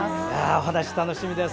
お話楽しみです。